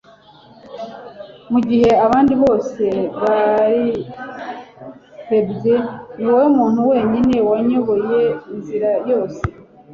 mugihe abandi bose barihebye, niwowe muntu wenyine wanyoboye inzira yose